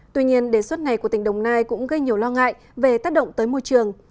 tuy nhiên đề xuất này của tỉnh đồng nai cũng gây nhiều lo ngại về tác động tới môi trường